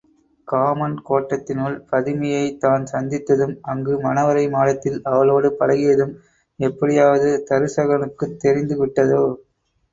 Common கோட்டத்தினுள் பதுமையைத் தான் சந்தித்ததும் அங்கு மணவறை மாடத்தில் அவளோடு பழகியதும் எப்படியாவது தருசகனுக்குத் தெரிந்து விட்டதோ?